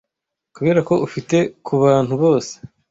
kuberako ufite kubantu bose